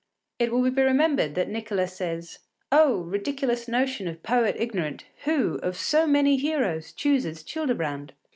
It will be remembered that Nicolas says: “Oh! ridiculous notion of poet ignorant Who, of so many heroes, chooses Childebrand!